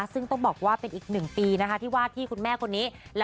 ซึ่งต้องบอกว่าเป็นอีกหนึ่งปีนะคะที่ว่าที่คุณแม่คนนี้